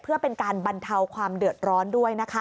เพื่อเป็นการบรรเทาความเดือดร้อนด้วยนะคะ